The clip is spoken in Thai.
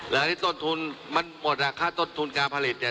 แล้วอันนี้ต้นทุนมันหมดอ่ะค่าต้นทุนการผลิตเนี่ย